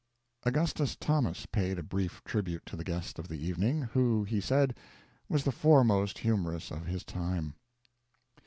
Augustus Thomas paid a brief tribute to the guest of the evening, who, he said, was the foremost humorist of his time.